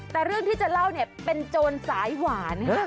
แต่เรื่องที่จะเล่าเนี่ยเป็นโจรสายหวาน